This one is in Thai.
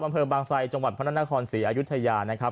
อำเภอบางไซจังหวัดพระนครศรีอายุทยานะครับ